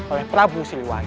oleh prabu siliwangi